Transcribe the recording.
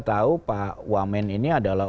tahu pak wamen ini adalah